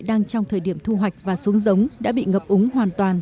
đang trong thời điểm thu hoạch và xuống giống đã bị ngập úng hoàn toàn